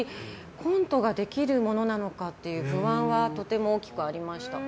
コントができるものなのかという不安はとても大きくありました。